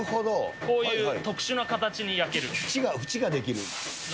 こういう特殊な形に焼ける。